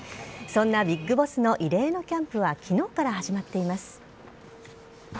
そんなビッグボスの異例のキャンプはきのうから始まっています。